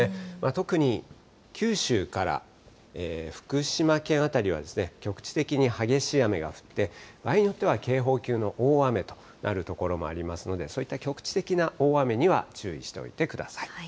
特に九州から福島県辺りは、局地的に激しい雨が降って、場合によっては、警報級の大雨となる所もありますので、そういった局地的な大雨には注意しておいてください。